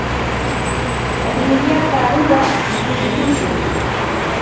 Allinllata rurar purikushun.